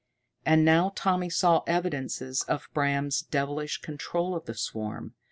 And now Tommy saw evidences of Bram's devilish control of the swarm.